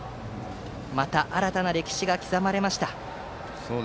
また、新たな歴史が刻まれました。